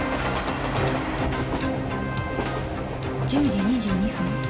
１０時２２分